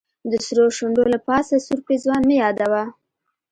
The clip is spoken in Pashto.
د سرو شونډو له پاسه سور پېزوان مه يادوه